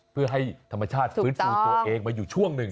เพื่อให้ธรรมชาติฟื้นฟูตัวเองมาอยู่ช่วงหนึ่ง